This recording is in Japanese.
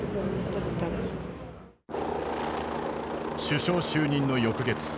首相就任の翌月。